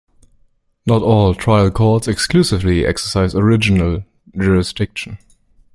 Not all "trial courts" exclusively exercise original jurisdiction.